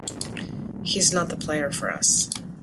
He's not the player for us.